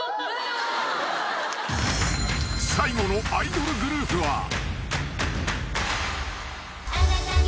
［最後のアイドルグループは］